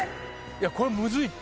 これむずいって。